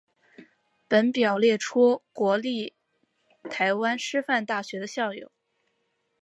本表列出国立台湾师范大学的校友。